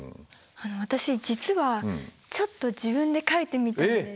私実はちょっと自分で書いてみたんです。